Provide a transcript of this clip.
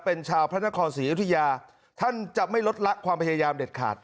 เป็นชาวพระนครศรีอยุธยาท่านจะไม่ลดละความพยายามเด็ดขาด